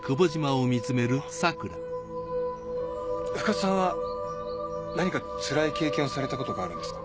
深津さんは何かつらい経験をされたことがあるんですか？